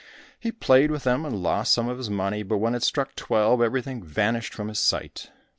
He played with them and lost some of his money, but when it struck twelve, everything vanished from his sight.